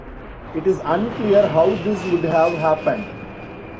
It is unclear how this would have happened.